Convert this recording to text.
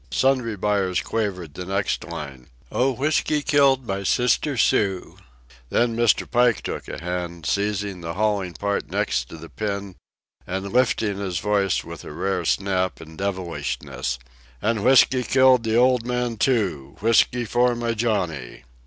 Sundry Buyers quavered the next line: "Oh, whiskey killed my sister Sue." Then Mr. Pike took a hand, seizing the hauling part next to the pin and lifting his voice with a rare snap and devilishness: "And whiskey killed the old man, too, Whiskey for my Johnny."